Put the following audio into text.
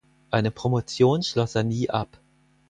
Eine Promotion schloss er nie ab.